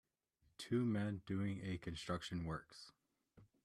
Two men doing a construction works